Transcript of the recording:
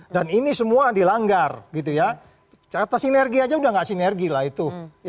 dan ini semua dilanggar gitu ya cata sinergi aja udah gak sinergi lah itu